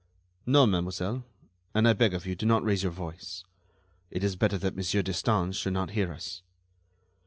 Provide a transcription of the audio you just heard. "No, mademoiselle; and I beg of you, do not raise your voice. It is better that Monsieur Destange should not hear us."